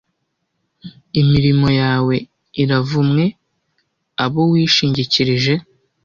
imirimo yawe iravumwe abo wishingikirije